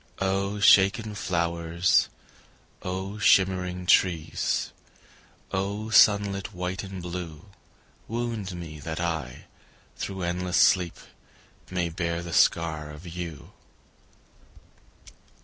O shaken flowers, O shimmering trees, O sunlit white and blue, Wound me, that I, through endless sleep, May bear the scar of you.